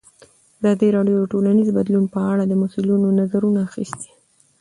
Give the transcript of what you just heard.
ازادي راډیو د ټولنیز بدلون په اړه د مسؤلینو نظرونه اخیستي.